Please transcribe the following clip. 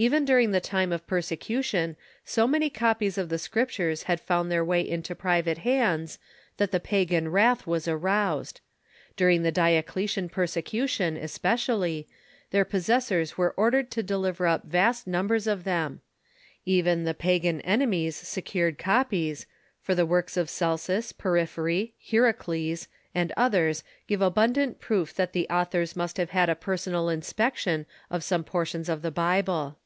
Even during the time of perse cution so many copies of the Scriptures had found their way into private hands that the pagan Avrath was aroused. Dur 6 82 THE EARLY CHURCH ing tlie Diocletian persecution, especially, their possessors were ordered to deliver up vast numbers of them. Even the pagan enemies secured copies, for the works of Celsus, Por phyry, Hierocles, and others give abundant proof that the au thors must have had a personal inspection of some portions of the Bible.